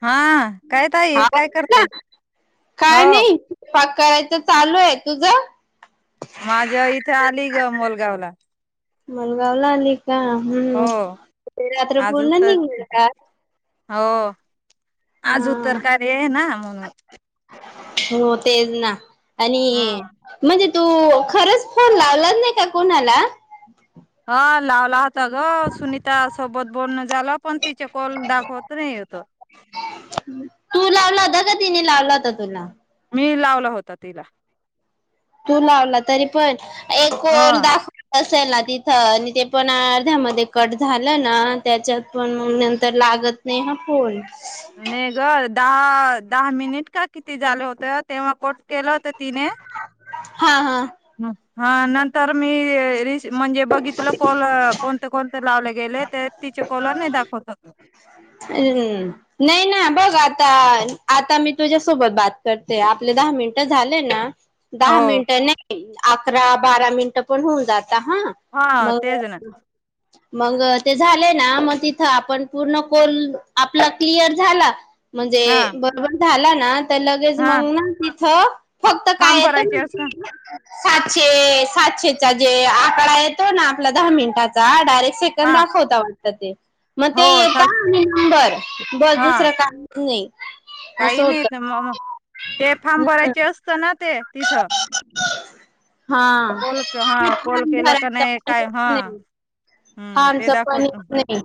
ह.. ह हो काय नाही पाक करायचा - चालू आहे. तुझ, माझ इथे आली ग मोलगाव ला. मणगाव ला आल- का. हम्म- रात्र आज पूर्ण उतर निघले का? हो. आज हा उतरकार आहे ना म्हणून... हो तेज ना. आणि ह म्हणजे... तू खरच फोन लावला नाही का कोणाला... हा लावला होता ग सुनीता सोबत बोल... झालं पण तिचे कल दाखवत नाही होत. तू लावला होता का तिने लावला होता तुला. मी लावला होता तिला. तू लावला तरी पण एक ह कॉल दाखवला. अस ना तिथं आणि ते पण अर्ध्यामध्ये कट झालं ना त्याच्यात पण नंतर लागत नाही हा फोन... नेघ. दहा दहा मिनिट का किती झालं होत तेव्हा कोट केलं होत. तिने हा हा - हा नंतर मी... म्हणजे बघितलं कल कोणते कोणते लावले गेले ते तिचे कॉल नाही दाखवत. ह बघ आता आता मी तुझ्यासोबत बात करते आपले दहा मिनट झाले ना... दहा हो मिनटं नाही. अकरा बारा मिनिटं पण होऊन जातात हा... हा मग तेज ना. मग ते झाले ना मग तिथं आपण पूर्ण कोल आपला क्लिअर झाला. म्हणजे हा बरोबर.. झाला ना. तर लगेच हा मंग ना... स.. फक्त फॉर्म काय येत. भरायचे असत सातशे सातशेचा जे आकडा आहेत. तो ना आपला दहा मिनटाचा डायरेक्... सेकड हा दाखवता वाटत ते मग ते हो येत सा आणि नंबर बस हा दुसरं का नाही. असं काही नाही होत म ते फार्म भरायचे असत ना ते तिथं... ा [inaudible] कॉल हा हा क कॉल केलं का झारा. नाही काय हा... ह हम्म ते आमच पण दाखवतो नाही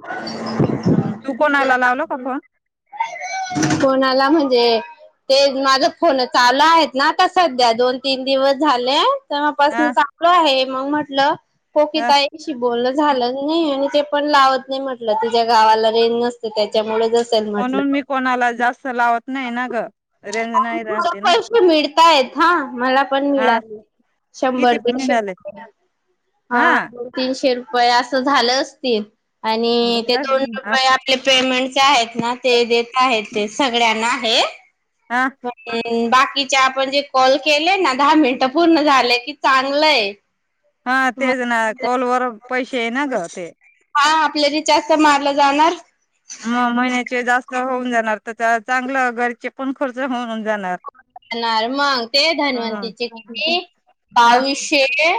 हम्म तू कोणाला लावल का फोन कोणाला म्हणजे... ते माझ फोन चालू आहेत, ना आता सध्या दोन तीन दिवस झाले. हा तेव्हापसन चांगल आहे. मग म्हटलं, हो ह कितााईशी बोलत झालं नाही. आणि ते पण लावत नाही. म्हटलं तिच्या्या गावाला रेन नसते त्याच्यामुळे, ट म्हणून मी कोणाला जास्त लावत नाही ना ग रेंज नाही मला राहते ना पैशे मिळताय हा मला पण हा मिळा किती शंभर दडशे मिळाले हा दो तीनशेप प असं झालं असती. आणि ते दोन झालं रुपये आपले पेमेंट, जे आहेत ना ते देत आहेत. ते सगळ्यांना आहे. हा हो बाकीचे आपण जे कॉल केले ना दहा मिनट पूर्ण झाले. की चांगलंय, हा हा तेच ना कॉलवरर पैसे ये ना ग ते.. हा आपल्या रिचार त मारलं जाणार मग महिन्याची व जास्त होऊन जाणार. तर चांगलं घरचे पण खर्च होऊन जाणार.. णार मग ते ह धनवंतीचे किती अ बावीसशे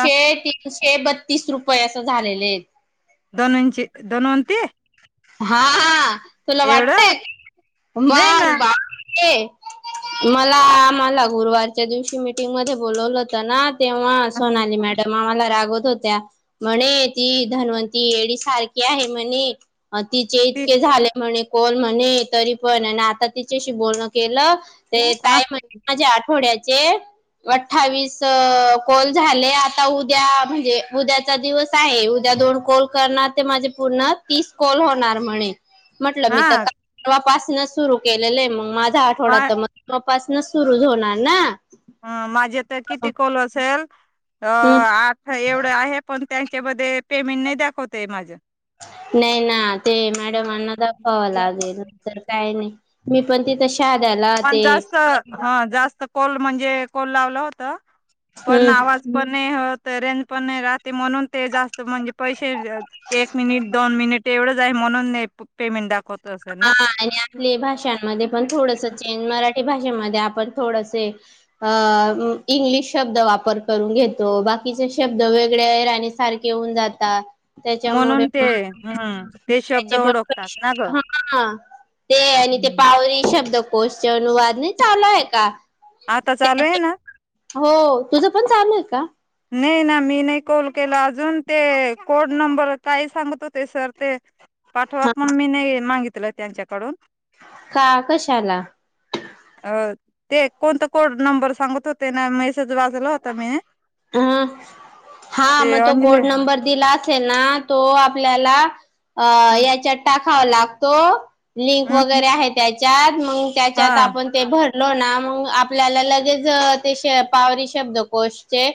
अ तीनशे बत तीस रुपये असं झालेले आहेत. दोनंची धन्वंती हा हा तुला वाटतय. एवढं नाही ना मग बा, ते मला आम्हाला गुरुवारच्या दिवशी मीटिंग मध्ये बोलवलं होत ना? तेव्हा, सोनाली मॅडम आम्हाला रा.. त होत्या म्हणे ती धन्वंती येडी सारखी आहे. म्हणे! अ तिचे ती इतके झाले म्हणे' कोल म्हणे तरी, पण आणि आता तिच्याशी बोलणं केलं. ते अ काय म्हण? माझ्या आठवड्या, चे अठ्ठावीस कोल झाले आता उद्या म्हणजे उद्याचा दिवस आहे. उद्या दोन कोल करणार ते माझे पूर्ण तीस कोल होणार म्हणे! म्हंटलं मी तर हा का न सुरू केलेलं के माझ हा आठवडा मा तर मग तपासन सुरूच होणार ना! ह माझेता किती कॉल असेल? अ हम्म आठ एवढं आहे, पण! पण त्यांच्यामध्ये पेमेंट नाही दाखवतंय माझं. नाही ना ते मॅडमांना दाखवावं लागेल नंतर काही नाही मी पण तशी पण जास्त हा जास्त कॉल म्हणजे कॉल लावलं होत. पण हम्म आवाज पण हेत रेंज पण नाही राहती म्हणून ते जास्त म्हणजे पैसे एक मिनिटं दोन मिनिटं एवढं म्हणून नाही पेमेंट दाखवत असेल हा ना आणि आपले भाषांमध्ये पण थोडंसं चेंज मराठी भाषेमध्ये आपण थोडेसे अ इंग्लिश शब्द वापर करून घेतो बाकीचे शब्द वेगळ्या राहणी सारखे होऊन जातात. त्याच्यामुळे म्हणून ते हम्म ते शब्द त्याचे पण ओळखतात ना ग? पैसे हा. ते आणि ते पावरी शब्द क्वेश्चन वाद नाही चालू आहे का? आता चालू आहे ना? हो. तुझं पण चालू आहे का? नाही ना, मी नाही कॉल केला अजून. ते कोड नंबर काय सांगत होते सर ते पाठवा पण मी नाही मागितलं त्यांच्याकडून. का? कशाला? अ ते कोणता कोड नंबर सांगत होते ना म हं, हा ते मग तो अंजली कोड नंबर दिला येना तो आपल्याला अ हम्म याच्यात टाक खावा लागतो. लिंक हम्म वगैरे आहे त्याच्यात. मग त्याच्यात हा आपण ते भर लो ना मग आपल्याला लगेच ते शब्दकोश चे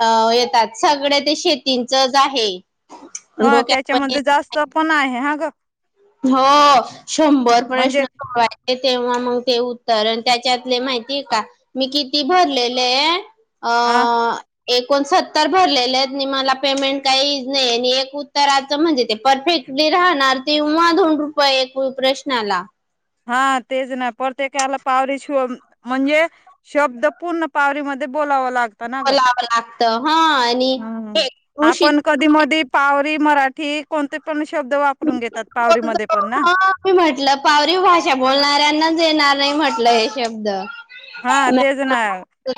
अ येतात. सगळे ते शेतीचच आहे. हा डोक्यात पण त्याच्यामध्ये जास्त पण आहे, हा ग. हो. शंभर प्रश्न म्हणजे सोडवायचे. तेव्हा मग ते उत्तर. त्याच्यातले माहिती आहे का, मी किती भरलेलेये? अ अं एकोण सत्तर भरलेले आहेत मी. मला पेमेंट काहीच नाही आणि एक उत्तरचं म्हणजे ते परफेक्टली राहणार ते व्हा दोन रुपये एक प्रश्नाला. हा तेच ना प्रत्येकाला पावरी श म्हणजे शब्द पूर्ण पावरीमध्ये बोलावं लागत. बलावं लागत. हा आणि हम्म हे ऋषीच की मराठी कोणते पण शब्द वापरून घेतात. ह पावररीमध्ये पण ना. षा बोलणाऱ्यांनाच येणार नाही म्हटलं हे शब्द. हा तेच ना.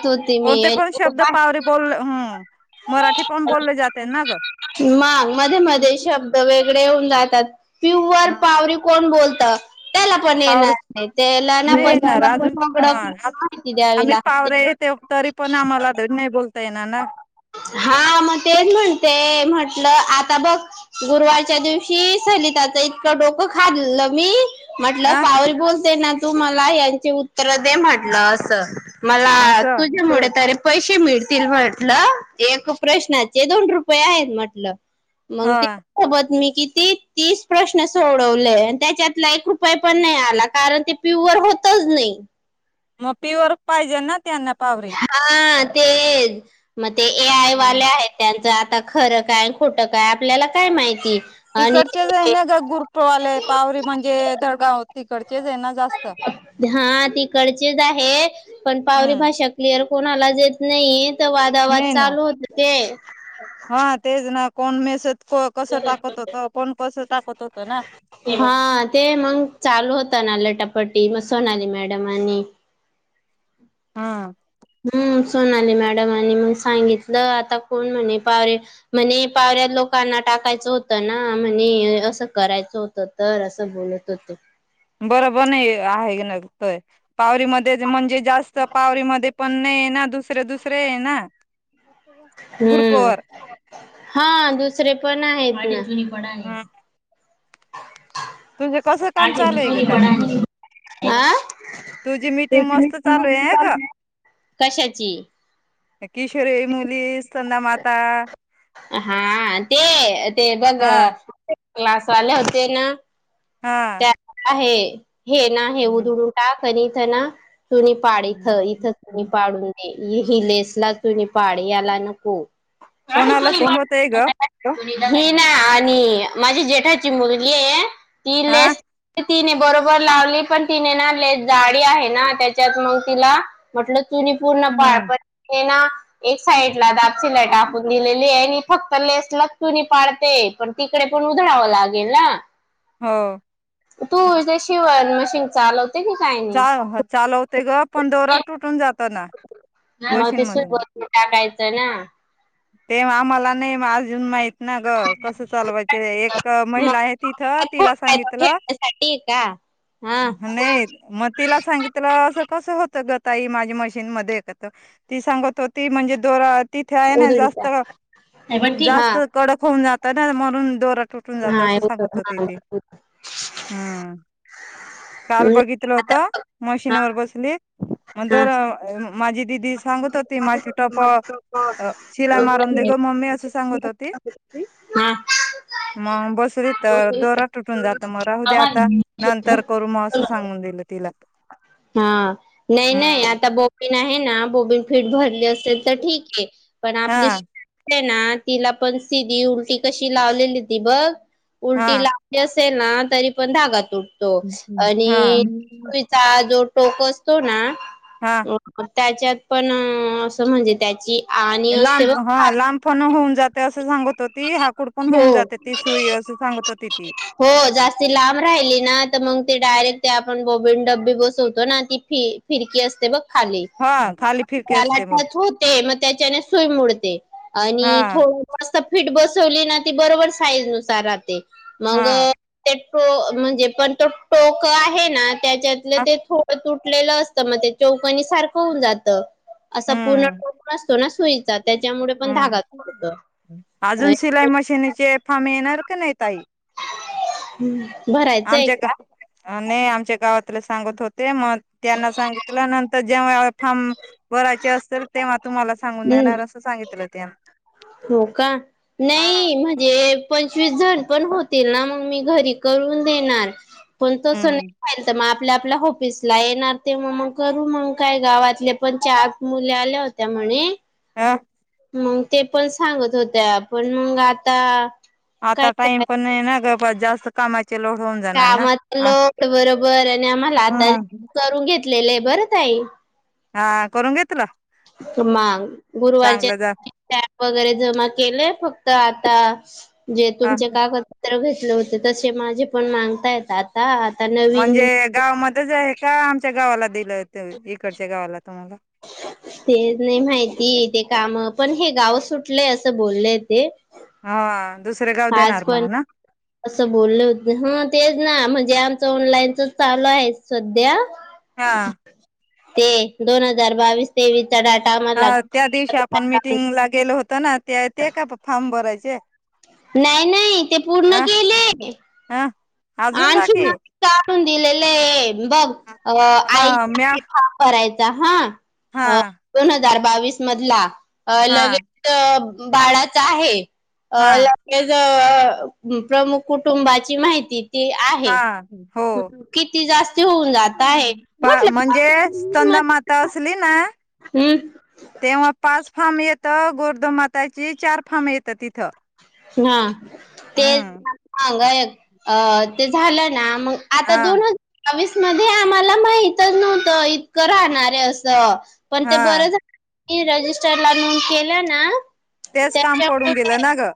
होती मी कोणते आणि पण शब्द खूप पावरी बोलले, हं मराठी पण बोलले जाते ना ग. मग राहतात. पिवर ह पावरी कोण बोलत? त्याला पण पावरे येणार नाही. त्याला ना नाही [inaudible] येणार अजून हा माहिती द्यावी आम्ही लागते. पावरे येते तरी पण आम्हाला नाही बोलता येणार ना हा मग तेच म्हणते. म्हट म्हलं, आता बघ गुरुवारच्या दिवशी सलिताच इतकं डोकं खाल्लं मी. म्हटलं हा पावरी बोलते ना. तू मला यांचे उत्तर दे म्हटलं अस. मला असं तुझ्यामुळे तरी पैसे मिळ म्हटलं एक प्रश्नाचे दोन रुपये आहेत म्हटलं. मग हा तेबत मी किती तीस प्रश्न सोडवले त्याच्यात एक रुप पण नाही आला कारण ते प्युर होतच नाही. मग पिर पाहिजे ना. त्यांना पावरे तेज म ते ए आय वाले आहेत त्यांच आता. खरं काय खोटं काय आपल्याला काय माहिती. आणि तिकडचेच आहे ना ग गुरुपवाले पावररी म्हणजे दडगाव हो हा तीकडचीच आहे पण पावरी हम्म भाषा क्लिअर कोणाला जेत नाही. वाद वाज नाही ना चालू होत ते. हा तेच ना कोण मेस टाकत होत ना हा ते मंग चालू होत नाटप् पट्टी मग सोनाली मॅडम आणि हा. हम्म सोनाली मॅडम आणि मग सांगितलं आता कोण म्हणे पाव म्हणे पावऱ्या लोकांना टाकायचं होतं ना म्हणे असं करायचं होतं तर असं बोलत होते. बरोबर नाही आहे का. [unintelligible] जास्त पावरीमध्ये पण नाही ना धुस दुसरे दुसरे ये ना हम्म गुरपवर हा दुसरे पण आहेत ना बडा आहे तुमचं कसं काम चालय ग तई आं चालू आहे का [inaudible] कशाची किशोरये मुली स्ंद माात हा ते ते बघ हा क्लासवाले होते ना त्या हा आहे हे ना हे उधडून टाक कनीतना चुनीपाड इथं इथं चुनी हम्म. पाडून दे इ हिलेसला तुनी पाडी याला नको कोणाला शिकवत ए ग मी ना आणि माझी जेठाची मुलगी आहे ती हा लेस तिने बरोबर लावली पण तिने ना जाडी आहे ना त्याच्यात मग तिला म्हटलं चूनी पूर्ण पाळ हम्म. पण ना एक साइड ला दापचीला टाकून दिलेली आहे आणि फक्त लेसलाच चुनी पाडते पण तिकडे पण उधळावं लागेल ना हो तूझे शिवन मशीन चालव च ह चालव ते ग पंन दोरा तुटून जातो ना मग मशीन ते सु मधून टाकायच [unintelligible] त्यांना ते आम्हाला नाही अजून माहित ना ग कसं चालवायच एक महिला मग आहे तिथ तिला सांगितलं ठेवण्यासाठी का हा नाही मग तिला सांगितलं अस कस होत ग ताई माझी मशीन मध्ये ती सांगत त होती म्हणजे तिथं दोरा तिथे आहे ना जास्त उधळीचा हे बटी जास्त हा कडक होऊन जात. [unintelligible] तुटून हा जात असं एवढं सांगत हा होते. ते हम्म काल नाही बघितलं होत. आता बघ. हा मशीनवर बसले. हा हा. [unintelligible] बर. [unintelligible] अस सांगत होते. हम. मग बस. दोरा तुटून जात. मग राहू दे आता नंतर करू मला उद्या आता नंतर करू [unintelligible] सांगून दिलं तिला. हा नाही नाही हम्म आता बोबीन आहे ना बोबीन फिट भरली. ते तर ठीके पण आपली हा ना तिला पण सीधी उलटी कशी लावलेली ती बघ हा उलटी लावली. असल ना तरी पण [unintelligible] हा आणि जो टोक असतो ना हा हो. त्याच्यात पण असं म्हणजे त्याची आणि असते बघ [unintelligible] [unintelligible] अस सांगत होती हाकूड पण हो होऊन जाते ती सुई अस सांगत होती ती. हो जास्ती लांब राहिली ना तर मग ते डायरेक्ट ते आपण बॉबन डब्बी बसवतो ना ती फि फिरकी असते बघ. खाली हा खाली फिरकी असते मग त्यालाच होते मग त्याच्याने सुई मोडते. हा आणि थोड. फिट बसवली ना ती बरोबर साईज नुसार राहते. मग हा [unintelligible] हो म्हणजे पण तो टोक आहे ना. त्याच्यातल ते थोड तुटलेलं असतं. त म ते चौकनी सारखं होऊन जातं. असा पूर्ण हम्म टोक नसतो ना सुईचा त्याच्यामुळे पण धागा तोडत. आजुन शिलाई मशीन चे फार मेहनत सत की नही ताई. हं. आमच्याक नाही आम चे गावातले सांगत हो ते म त्यानं सांगील नंत त ज्यावेळेला फॉम भरायचे असतील तेव्हा तुम्हाला सांगून हम्म देणार असं सांगितलं त्यानं. हो का? नाही म्हणजे पंचवीस जण पण होतील ना मग मी घरी करून देणार. पण तसं हम्म नहीं व्हायला त म आप पल्या आपल्या ऑफिसला येणार तेव्हा मग करू मग काय गावातले पण चार मुली आल्या होत्या म्हणे हं मग ते पण सांगत होत्या. पण मग आता काय आता टाईम पण नाहीये ना ग. परत जास्त कामआहेत. कामचा लोड बरोबर आणि आम्हाला आता करून घेत लेलं ये. बरं ताई. हा करून घे तुला. मग गुरुवारच्या दिवशी ऍप वगैरे जमा केले फक्त आ त्ता स जे हा तुमचे कागदपत्र घेतले होते त तसे माझे पण मांगतायेत आता आता नवीन म्हणजे गावामध्येच आहे का आमच्या गावाला दिलं तुम्ही इकडच्या गावाला तुम्हाला ते नाही माहिती ते. काम पण हे गाव सुटलंय असं बोललंय ते, हा दुसरे गाव आज देणार पण मग ना असं बोलले होते ह तेच ना म जे आमचं ऑनलाईनच चालू आहे सध्या हा ते दोन हजार बावीस तेवीस. - हा त्या दिवशी आपण मिटिंग ला गेलो होतो. [unintelligible] ते ते [unintelligible] फार्म भरायचे नाही नाही ते पूर्ण अ केले- ह अजून आणखी बाकी- [unintelligible] बघ हा म्या आईच्या [unintelligible] हा. ह हा बण [unintelligible] [unintelligible] हजार बावीस मधला. अ हा लगेच. बाळाच आहे. - अ हा लगेच. - प्रमुख कुटुंबाची माहिती- ते आहे. हा हो किती. ती जास्ती होऊन जात आहे म्हटलं म्हणजे चंदा माता असली ना. हम्म. तेव्हा पाच फार्म येतं गोर्धमाताची चार फार्म येतं तिथं हा. हम्म तेगा [unintelligible] झालं. त्या मग आता हा दोन बावीस मध्ये आम्हाला माहितच नव्हत इतकं राहणार आहे असं. पण ते हा बर झालं म रजिस्टर ला नोंद केलं ना. तेच काम पडून गेलं त्याच्यामुळे ना गं.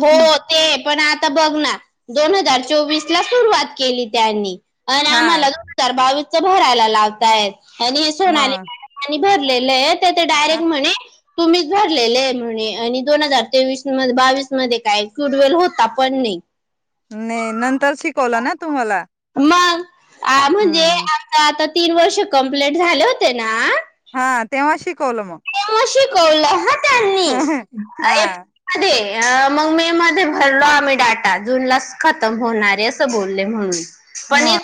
हो ते. पण आता बघ ना दोन हजार चोवीस ला सुरुवात केली त्यांनी [unintelligible] [unintelligible] हा मग [unintelligible] भरलेलं आहेत. डायरेक्ट म्हणे तुम्हीच भरलेले म्हणे आणि दोन हजार तेवीस मध्ये बावीसही [unintelligible] नाही नंतर शिकवलं ना तुम्हाला. अ म्हणजे हम्म आता आता तीन वर्ष कम्पलेट झाले होते ना? हा तेव्हा शिकवलं मग शिकवलं. हा [unintelligible] अ मग मे मध्ये भरलो आम्ही डाटा जून लाच खतम होणारे असं बोलले म्हणून. मग पनीर